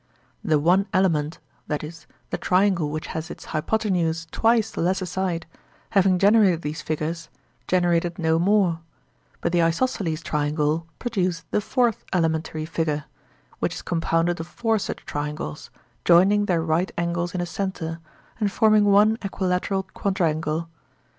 The one element (that is, the triangle which has its hypotenuse twice the lesser side) having generated these figures, generated no more; but the isosceles triangle produced the fourth elementary figure, which is compounded of four such triangles, joining their right angles in a centre, and forming one equilateral quadrangle.